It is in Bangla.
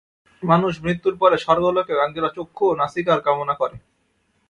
মানুষ মৃত্যুর পরে স্বর্গলোকেও একজোড়া চক্ষু ও নাসিকার কামনা করে।